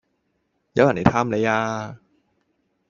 有人黎探你呀